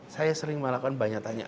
saya sering melakukan banyak tanya